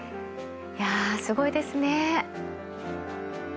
いやすごいですね。